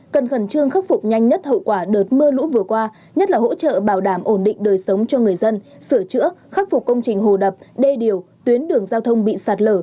cần khẩn trương khắc phục nhanh nhất hậu quả đợt mưa lũ vừa qua nhất là hỗ trợ bảo đảm ổn định đời sống cho người dân sửa chữa khắc phục công trình hồ đập đê điều tuyến đường giao thông bị sạt lở